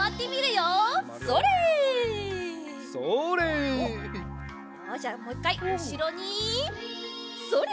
よしじゃあもういっかいうしろにそれ！